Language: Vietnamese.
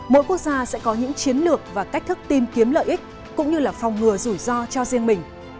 mỗi quốc gia sẽ có những chiến lược và cách thức tìm kiếm lợi ích cũng như là phòng ngừa rủi ro cho riêng mình